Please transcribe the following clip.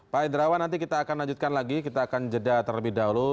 pak indrawan nanti kita akan lanjutkan lagi kita akan jeda terlebih dahulu